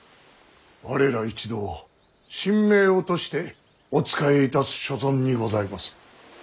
我ら一同身命を賭してお仕えいたす所存にございます。